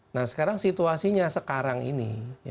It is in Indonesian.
nah sekarang situasinya sekarang ini